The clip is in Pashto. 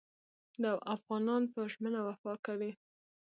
افغانان په ژمنه وفا کوي.